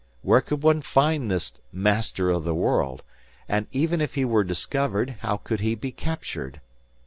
Where could one find this Master of the World? And even if he were discovered, how could he be captured?